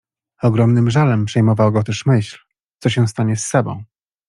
Ogromnym żalem przejmowała go też myśl, co się stanie z Sabą.